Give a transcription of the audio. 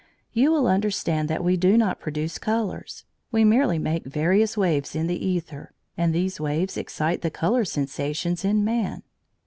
You will understand that we do not produce colours; we merely make various waves in the æther, and these waves excite the colour sensations in man.